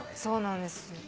そうなんですよ。